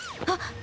あっ！